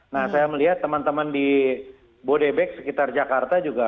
nah saya melihat teman teman di bodebek sekitar jakarta juga